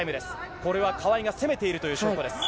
これは川井が攻めているという証拠です。